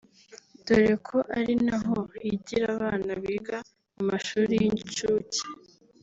dore ko ari naho higira abana biga mu mashuri y’incuke